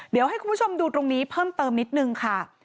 เดี๋ยวให้คุณผู้ชมดูตรงนี้เพิ่มเติมนิดนึงค่ะ